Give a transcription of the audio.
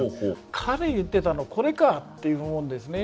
彼言ってたのこれかって思うんですね。